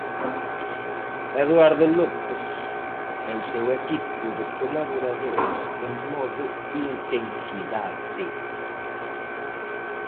Eduardo López e o seu equipo de colaboradores en modo intensidade.